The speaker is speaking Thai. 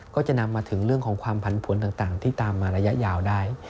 ก็จะนำมาถึงเรื่องของความผันผวนต่างที่ตามมาระยะยาวได้